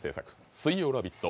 水曜「ラヴィット！」